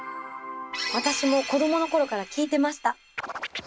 私も子どものころから聴いていました。